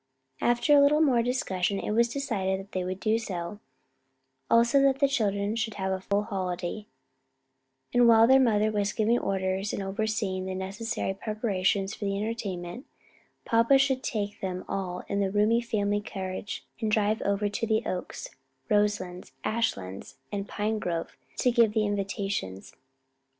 After a little more discussion it was decided they would do so; also that the children should have a full holiday, and while their mother was giving orders and overseeing the necessary preparations for the entertainment, papa should take them all in the roomy family carriage and drive over to the Oaks, Roselands, Ashlands and Pinegrove to give the invitations.